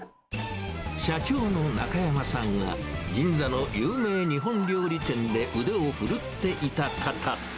社長の中山さんは、銀座の有名日本料理店で腕を振るっていた方。